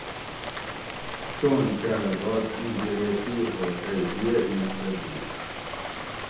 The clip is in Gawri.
چوُن کالہ باد ایں بیرے پیر ھو تئ دی اۤ ایس رہ بھیڛ